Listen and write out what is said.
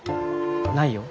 ないよ。